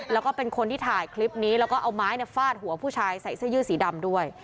แล้วก็เป็นคนที่ถ่ายคลิปนี้แล้วก็เอาไม้ฟาดหัวผู้ชายใส่เสื้อยืดสีดำด้วย